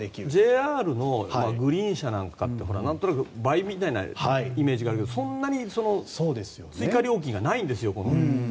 ＪＲのグリーン車って何となく倍みたいなイメージがあるけど、そんなに追加料金がないんですよ。